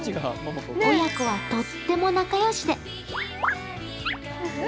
親子はとっても仲良しで。